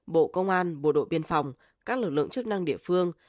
bộ công an bộ đội biên phòng các lực lượng chức năng địa phương